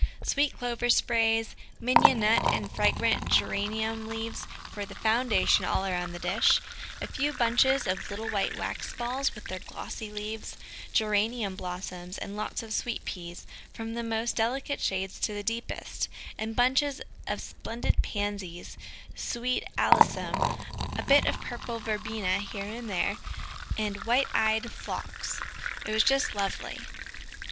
Sweet Clover sprays, Mignonnette and fragrant Geranium leaves for the foundation all around the dish, a few bunches of the little white wax balls, with their glossy leaves, Geranium blossoms, and lots of Sweet Peas, from the most delicate shades to the deepest, and bunches of splendid Pansies, Sweet Alyssum, a bit of purple Verbena here and there, and white eyed Phlox. It was just lovely.